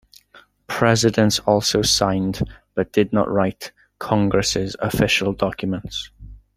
Presidents also signed, but did not write, Congress's official documents.